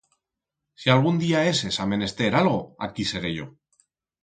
Si algún día heses a menester algo, aquí seré yo.